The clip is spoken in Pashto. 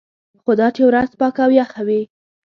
خو دا چې ورځ پاکه او یخه وي.